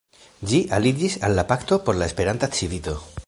Ĝi aliĝis al la Pakto por la Esperanta Civito.